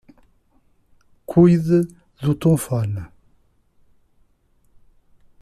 Cuide do telefone